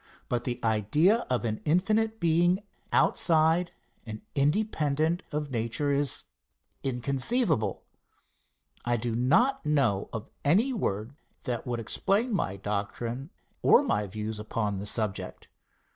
But the idea of an infinite Being outside and independent of nature is inconceivable. I do not know of any word that would explain my doctrine or my views upon the subject.